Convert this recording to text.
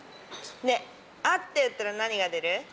ねぇ「あ」って打ったら何が出る？